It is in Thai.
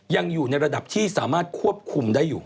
ยังอยู่ในระดับที่สามารถควบคุมได้อยู่